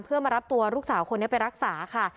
เพื่อมารับตัวลูกสาวคนนี้ไปรักษาค่ะ